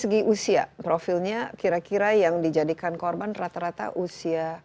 jadi usia profilnya kira kira yang dijadikan korban rata rata usia